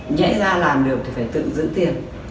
nhãy ra làm được thì phải tự giữ tiền